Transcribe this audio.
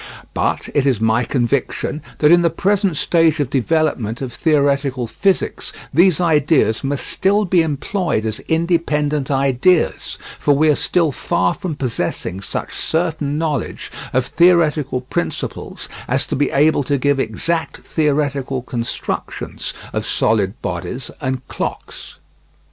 But it is my conviction that in the present stage of development of theoretical physics these ideas must still be employed as independent ideas; for we are still far from possessing such certain knowledge of theoretical principles as to be able to give exact theoretical constructions of solid bodies and clocks.